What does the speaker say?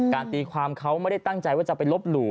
ตีความเขาไม่ได้ตั้งใจว่าจะไปลบหลู่